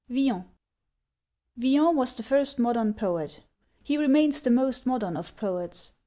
VILLON Villon was the first modern poet; he remains the most modern of poets.